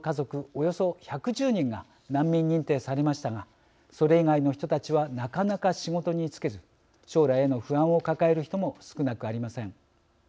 およそ１１０人が難民認定されましたがそれ以外の人たちはなかなか仕事に就けず将来への不安を抱える人も少なくありません。